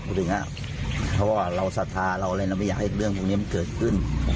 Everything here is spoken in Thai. พูดถึงน่ะเพราะว่าเราสัตย์ภาพเราเลยเราไม่อยากให้แหลงเรื่องนี้เกิดขึ้น